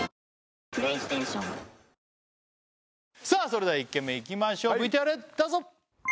それでは１軒目いきましょうＶＴＲどうぞ！